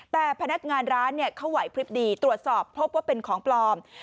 แต่พนักงานร้านเขาไหวพลิบดีตรวจสอบพบว่าเป็นของปลอม